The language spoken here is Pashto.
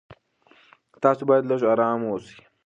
تاسو باید لږ ارام اوسئ.